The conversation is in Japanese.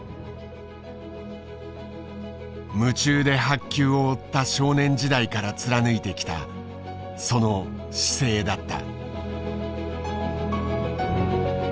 夢中で白球を追った少年時代から貫いてきたその姿勢だった。